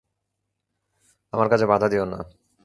আমার কাজে বাধা দিওনা।